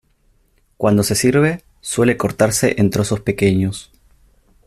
Cuando se sirve, suele cortarse en trozos pequeños.